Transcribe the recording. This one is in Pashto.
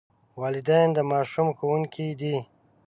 والدین د ماشوم ښوونکي دي.